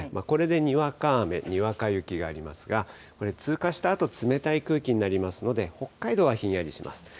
これでにわか雨、にわか雪がありますが、これ、通過したあと、冷たい空気になりますので、北海道はひんやりします。